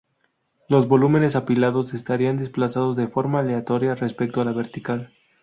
Los volúmenes apilados estarían desplazados de forma aleatoria respecto a la vertical.